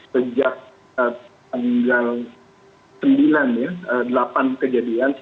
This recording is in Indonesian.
sejak tanggal sembilan delapan kejadian sembilan